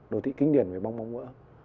đồ thị kinh điển về bong bóng vỡ